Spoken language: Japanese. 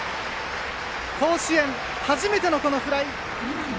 甲子園、初めてのフライ。